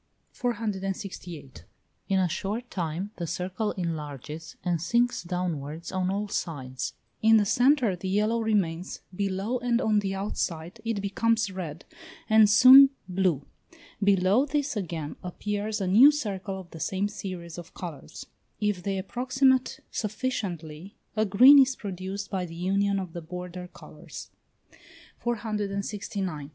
468. In a short time the circle enlarges and sinks downwards on all sides; in the centre the yellow remains; below and on the outside it becomes red, and soon blue; below this again appears a new circle of the same series of colours: if they approximate sufficiently, a green is produced by the union of the border colours. 469.